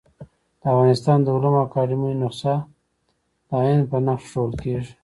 د افغانستان د علومو اکاډيمۍ نسخه د ع په نخښه ښوول کېږي.